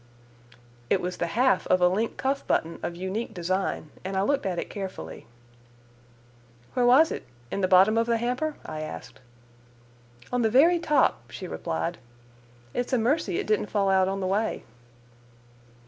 It was the half of a link cuff button of unique design, and I looked at it carefully. "Where was it? In the bottom of the hamper?" I asked. "On the very top," she replied. "It's a mercy it didn't fall out on the way."